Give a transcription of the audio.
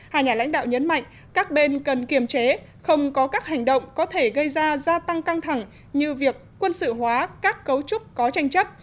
hai nhà lãnh đạo nhấn mạnh các bên cần kiềm chế không có các hành động có thể gây ra gia tăng căng thẳng như việc quân sự hóa các cấu trúc có tranh chấp